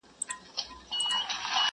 دُرانیډک له معناوو لوی انسان دی،